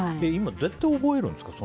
どうやって覚えるんですか？